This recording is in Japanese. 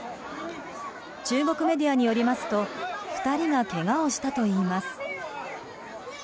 中国メディアによりますと２人がけがをしたといいます。